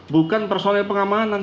bukan personel pengamanan